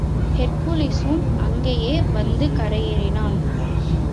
ஹெர்க்குலிஸும் அங்கேயே வந்து கரையேறினான்.